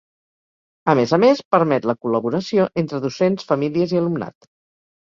A més a més, permet la col·laboració entre docents, famílies i alumnat.